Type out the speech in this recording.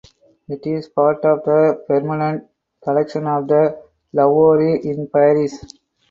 It is part of the permanent collection of the Louvre in Paris.